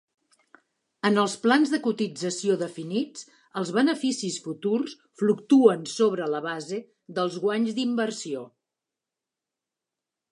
En els plans de cotització definits, els beneficis futurs fluctuen sobre la base dels guanys d'inversió.